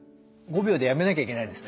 ５秒でやめなきゃいけないんですね。